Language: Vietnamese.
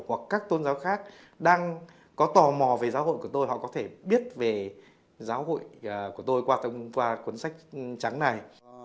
hoặc các tôn giáo khác đang có tò mò về giáo hội của tôi họ có thể biết về giáo hội của tôi qua cuốn sách trắng này